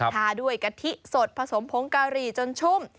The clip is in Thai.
ทาด้วยกะทิสดผสมผงกะหรี่จนชุ่ม